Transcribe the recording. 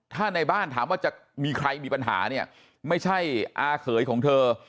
ถ้าในบ้านถามว่าจะมีใครมีปัญหาเนี่ยไม่ใช่อาเขยของเธอ